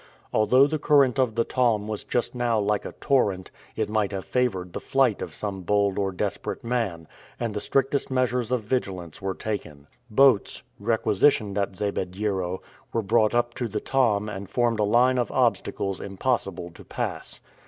Although the current of the Tom was just now like a torrent, it might have favored the flight of some bold or desperate man, and the strictest measures of vigilance were taken. Boats, requisitioned at Zabediero, were brought up to the Tom and formed a line of obstacles impossible to pass.